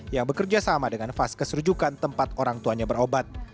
yang bekerja sama dengan vaskes rujukan tempat orang tuanya berobat